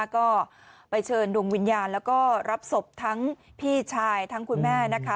ก็ไปเชิญดวงวิญญาณแล้วก็รับศพทั้งพี่ชายทั้งคุณแม่นะคะ